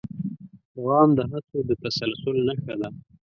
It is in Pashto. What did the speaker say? دوام د هڅو د تسلسل نښه ده.